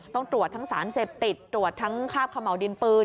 ต้องตรวจทั้งสารเสพติดตรวจทั้งคาบขม่าวดินปืน